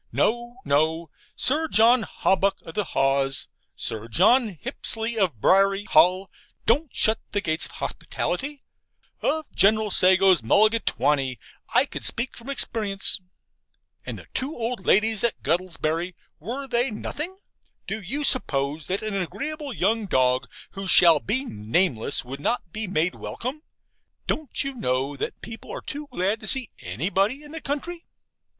No, no. Sir John Hawbuck of the Haws, Sir John Hipsley of Briary Hall, don't shut the gates of hospitality: of General Sago's mulligatawny I could speak from experience. And the two old ladies at Guttlebury, were they nothing? Do you suppose that an agreeable young dog, who shall be nameless, would not be made welcome? Don't you know that people are too glad to see ANYBODY in the country?